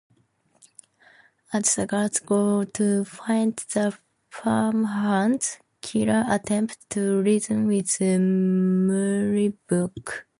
As the guards go to find the farmhands, Kira attempts to reason with Mullibok.